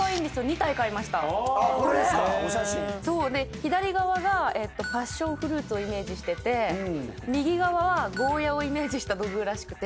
左側がパッションフルーツをイメージしてて右側はゴーヤーをイメージした土偶らしくて。